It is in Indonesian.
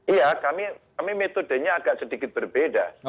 iya kami metodenya agak sedikit berbeda